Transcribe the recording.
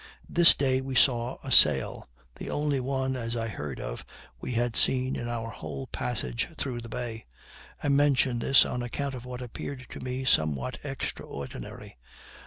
This day we saw a sail, the only one, as I heard of, we had seen in our whole passage through the bay. I mention this on account of what appeared to me somewhat extraordinary.